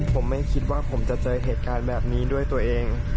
ผมไม่คิดว่าผมจะเจอเหตุการณ์แบบนี้ด้วยตัวเอง